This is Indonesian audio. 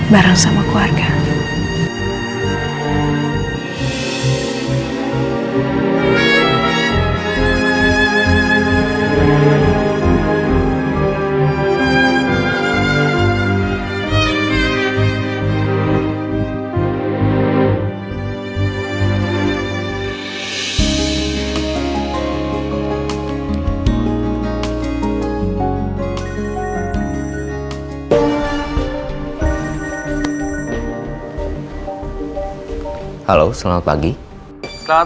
barang sama keluarga